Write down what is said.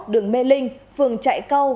đường mê linh phường trại cao